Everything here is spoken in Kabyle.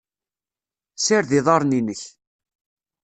Sired iḍaren-inek.